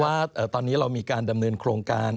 ว่าตอนนี้เรามีการดำเนินโครงการ